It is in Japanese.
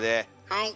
はい。